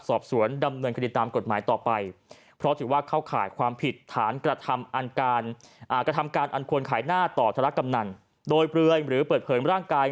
สอบสวนดำเนินคดีตามกฎหมายต่อไป